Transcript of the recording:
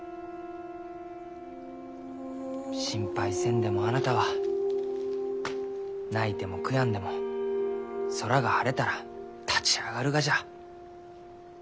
心配せんでもあなたは泣いても悔やんでも空が晴れたら立ち上がるがじゃ。